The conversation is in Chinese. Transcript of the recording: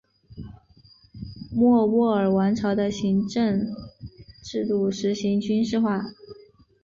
莫卧儿王朝的行政制度实行军事化。